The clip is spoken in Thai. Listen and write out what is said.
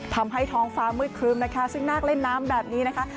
ทำให้ท้องฟ้ามืดครึ้มนะคะซึ่งนาคเล่นน้ำแบบนี้นะคะ